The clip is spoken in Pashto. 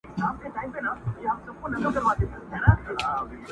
دا جلادان ستا له زاریو سره کار نه لري!